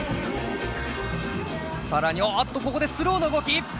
更におっとここでスローな動き。